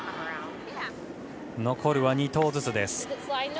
残るは２投ずつです。